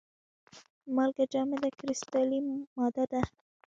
مالګه جامده کرستلي ماده ده.